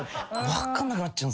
分かんなくなっちゃう。